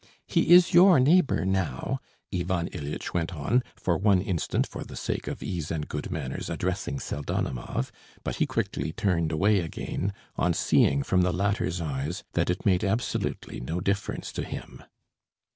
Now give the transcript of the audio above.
"He is your neighbor now," Ivan Ilyitch went on, for one instant for the sake of ease and good manners addressing Pseldonimov, but he quickly turned away again, on seeing from the latter's eyes that it made absolutely no difference to him.